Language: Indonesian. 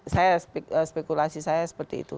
saya spekulasi saya seperti itu